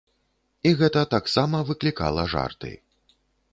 І гэта таксама выклікала жарты.